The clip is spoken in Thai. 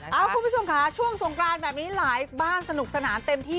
คุณผู้ชมค่ะช่วงสงกรานแบบนี้หลายบ้านสนุกสนานเต็มที่